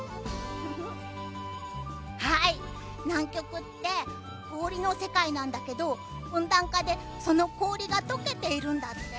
南極って氷の世界なんだけど温暖化で、その氷が解けているんだって。